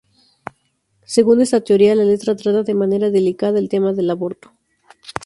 Según esta teoría, la letra trata de manera delicada el tema del aborto.